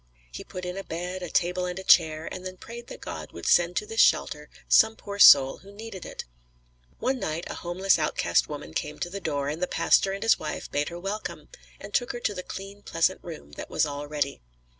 He put in a bed, a table and a chair, and then prayed that God would send to this shelter some poor soul who needed it. One night a homeless outcast woman came to the door, and the pastor and his wife bade her welcome, and took her to the clean pleasant room that was all ready.